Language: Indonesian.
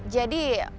jadi bukan urusannya